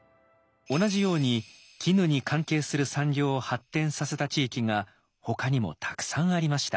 同じように絹に関係する産業を発展させた地域がほかにもたくさんありました。